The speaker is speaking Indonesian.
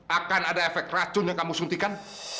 akan ada efek racun yang kamu suntikan